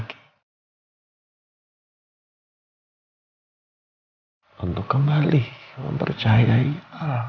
tidak ada yang bisa dikawal